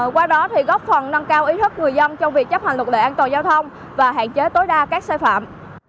qua đó thì góp phần nâng cao ý thức người dân trong việc chấp hành luật lệ an toàn giao thông và hạn chế tối đa các sai phạm